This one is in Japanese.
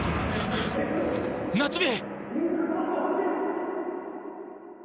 夏美！